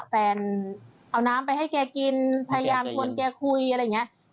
แฟนเอาน้ำไปให้แกกินพยายามชวนแกคุยอะไรอย่างนี้